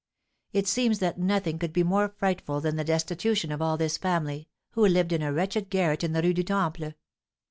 It seems that nothing could be more frightful than the destitution of all this family, who lived in a wretched garret in the Rue du Temple."